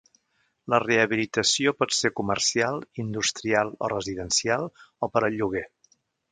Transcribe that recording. La rehabilitació pot ser comercial, industrial o residencial, o per al lloguer.